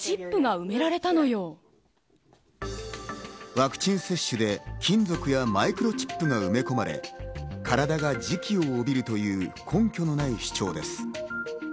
ワクチン接種で金属やマイクロチップが埋め込まれ体が磁気を帯びるという根拠のない主張です。